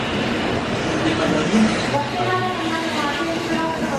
Ce n’était pas à nous que son équipage en voulait !